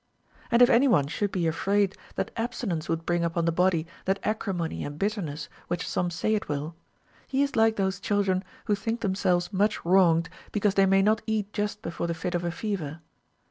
And if any one should be afraid that abstinence would bring upon the body that acrimony and bitterness which some say it will, he is like those children who think themselves much Avronged because they may not eat just before the fit of a fever.